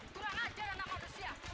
kurang aja anak manusia